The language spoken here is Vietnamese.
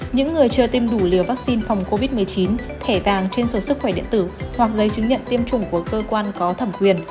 những người chưa tiêm đủ liều vaccine phòng covid một mươi chín thẻ vàng trên sổ sức khỏe điện tử hoặc giấy chứng nhận tiêm chủng của cơ quan có thẩm quyền